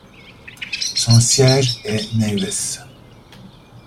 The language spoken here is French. Son siège est Neves.